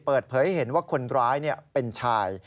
เปิดเผยให้เห็นว่าคนร้ายเป็นชาย